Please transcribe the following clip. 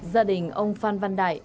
gia đình ông phan văn đại